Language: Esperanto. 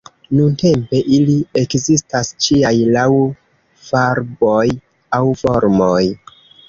Nuntempe ili ekzistas ĉiaj laŭ farboj aŭ formoj.